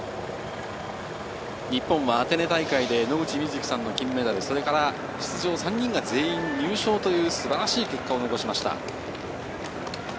日本はアテネ大会で野口みずきさんの金メダル、それから出場３人が全員入賞という素晴らしい結果を残しました。